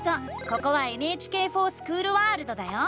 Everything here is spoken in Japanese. ここは「ＮＨＫｆｏｒＳｃｈｏｏｌワールド」だよ！